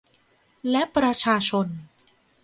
และประชาชน